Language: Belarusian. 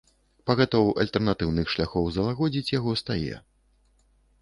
Пагатоў альтэрнатыўных шляхоў залагодзіць яго стае.